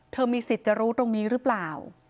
มีสิทธิ์จะรู้ตรงนี้หรือเปล่า